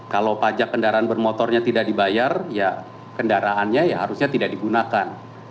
kalau pajak kendaraan bermotornya tidak dibayar ya kendaraannya ya harusnya tidak digunakan